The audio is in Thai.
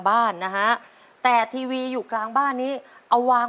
บานประตูนี้มีผ้าม่านอะไรยังไงนึกออกไหม